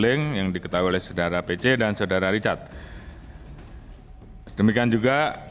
terkait peristiwa yang terjadi di magelang